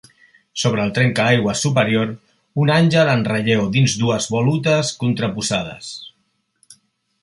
Sobre el trencaaigües superior, un àngel en relleu dins dues volutes contraposades.